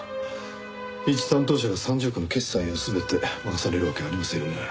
一担当者が３０億の決済を全て任されるわけありませんよね。